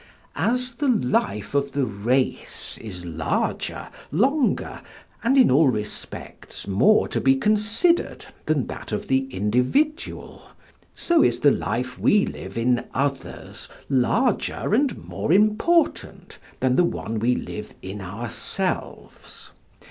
As the life of the race is larger, longer, and in all respects more to be considered than that of the individual, so is the life we live in others larger and more important than the one we live in ourselves.